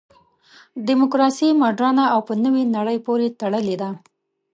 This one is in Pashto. دیموکراسي مډرنه او په نوې نړۍ پورې تړلې ده.